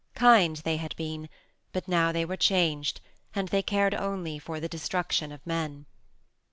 Kind they had been, but now they were changed, and they cared only for the destruction of men.